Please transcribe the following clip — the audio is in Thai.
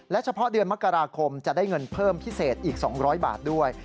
เฉพาะเดือนมกราคมจะได้เงินเพิ่มพิเศษอีก๒๐๐บาทด้วย